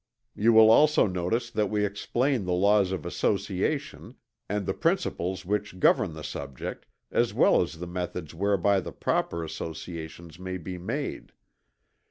You will also notice that we explain the laws of association, and the principles which govern the subject, as well as the methods whereby the proper associations may be made.